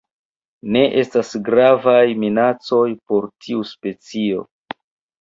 Ne estas gravaj minacoj por tiu specio.